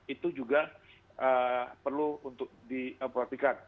itu juga perlu untuk diperhatikan